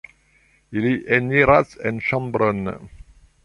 Ili eniras en ĉambron.